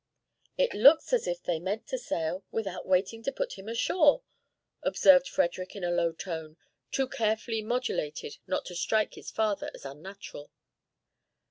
"It looks as if they meant to sail without waiting to put him ashore," observed Frederick in a low tone, too carefully modulated not to strike his father as unnatural.